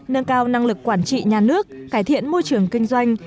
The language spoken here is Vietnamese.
nâng cao năng lực quản trị nhà nước cải thiện môi trường kinh doanh